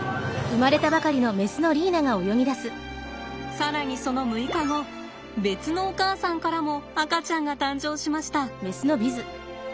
更にその６日後別のお母さんからも赤ちゃんが誕生しました。